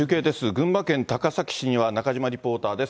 群馬県高崎市には中島リポーターです。